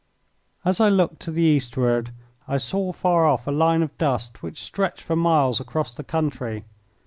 As I looked to the eastward I saw afar off a line of dust which stretched for miles across the country.